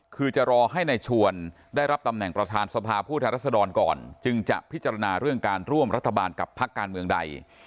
คือจะรอให้ในชวนได้รับตำแหน่งประธานสภาผู้แทนรัศดรก่อนจึงจะพิจารณาเรื่องการร่วมรัฐบาลกับพักการเมืองใด